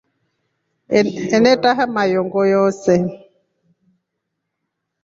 Enetaha mayoongo yoose.